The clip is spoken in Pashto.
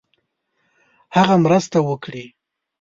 هغه مرسته وکړي.